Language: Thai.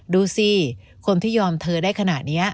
ดูสิคนที่ยอมเธอได้ขนาดนี้